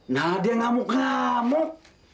nah dia ngamuk ngamuk